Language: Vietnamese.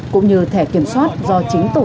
cũng như thẻ kiểm soát do chính tổ